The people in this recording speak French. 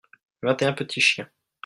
vingt et un petits chiens.